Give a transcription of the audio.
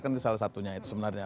kan itu salah satunya itu sebenarnya